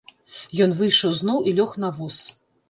Ён выйшаў зноў і лёг на воз.